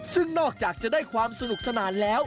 ซึ่งนอกจากจะได้ความสนุกสนานแล้ว